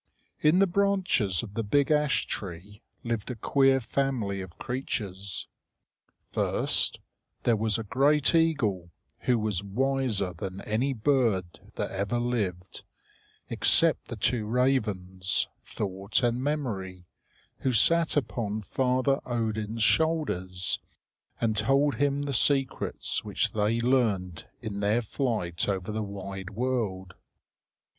In the branches of the big ash tree lived a queer family of creatures. First, there was a great eagle, who was wiser than any bird that ever lived except the two ravens, Thought and Memory, who sat upon Father Odin's shoulders and told him the secrets which they learned in their flight over the wide world.